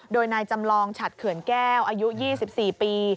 โดยนายจำลองฉัดเขื่อนแก้วอายุ๒๔ปี